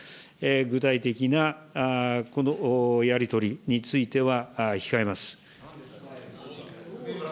具体的なこのやり取りについては、控えます。